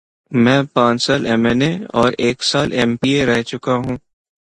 میں پانچ سال ایم این اے اور ایک سال ایم پی اے رہ چکا ہوں۔